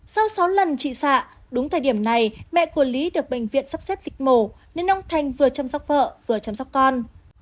sau sáu lần trị xạ đúng thời điểm này mẹ của lý được bệnh viện sắp xếp lịch mổ nên ông thành vừa chăm sóc vợ vừa chăm sóc con